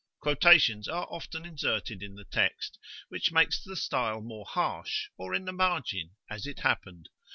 Quotations are often inserted in the text, which makes the style more harsh, or in the margin, as it happened.